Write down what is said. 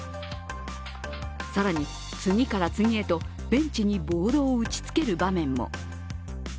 更に、次から次へとベンチにボードを打ちつける場面も。